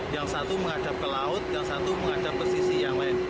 yang satu menghadap ke laut yang satu menghadap ke sisi yang lain